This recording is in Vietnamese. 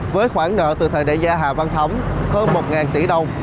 với khoản nợ từ thời đại gia hà văn thấm hơn một tỷ đồng